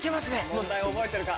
問題覚えてるか。